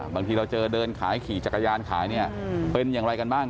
บางทีเราเจอเดินขายขี่จักรยานขายเนี่ยเป็นอย่างไรกันบ้าง